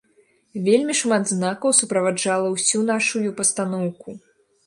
Вельмі шмат знакаў суправаджала ўсю нашую пастаноўку.